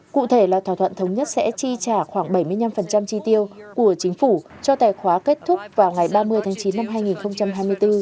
cụ thể là thỏa thuận thống nhất sẽ chi trả khoảng bảy mươi năm chi tiêu của chính phủ cho tài khoá kết thúc vào ngày ba mươi tháng chín năm hai nghìn hai mươi bốn